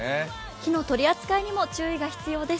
火の取り扱いにも注意が必要です。